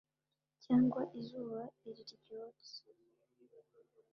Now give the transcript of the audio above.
cyangwa izuba iri ryotsa